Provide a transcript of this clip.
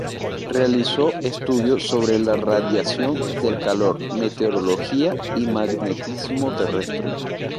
Realizó estudios sobre la radiación del calor, meteorología y magnetismo terrestre.